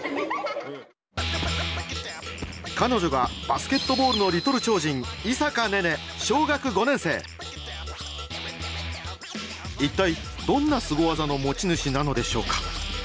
彼女がバスケットボールのリトル超人一体どんなすご技の持ち主なのでしょうか？